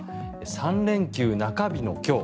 ３連休中日の今日